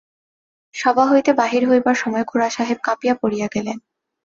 সভা হইতে বাহির হইবার সময় খুড়াসাহেব কাঁপিয়া পড়িয়া গেলেন।